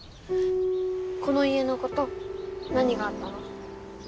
この家の子と何があったの？